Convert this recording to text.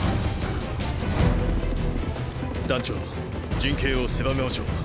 団長陣形を狭めましょう。